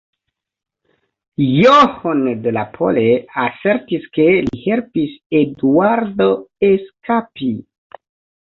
John de la Pole asertis ke li helpis Eduardo eskapi.